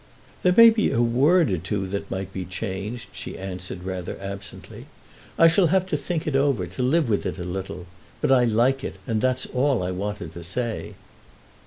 "There may be a word or two that might be changed," she answered, rather absently. "I shall have to think it over, to live with it a little. But I like it, and that's all I wanted to say."